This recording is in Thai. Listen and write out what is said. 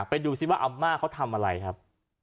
ไปดูซิว่าอาม่าเขาทำอะไรครับ